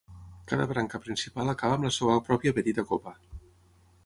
Cada branca principal acaba amb la seva pròpia petita copa.